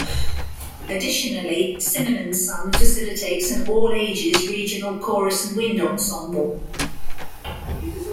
Additionally, Cinnaminson facilitates an all-ages regional chorus and wind ensemble.